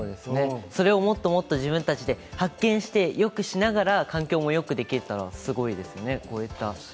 それをもっともっと自分たちで発見して、よくしながら、環境もよくできたらすごいですね。